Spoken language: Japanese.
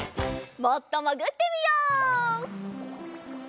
もっともぐってみよう。